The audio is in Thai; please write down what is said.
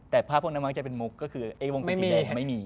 แต่ภาพนั้นมากจะเป็นมกก็คือให้วงกิคนแดงไม่มี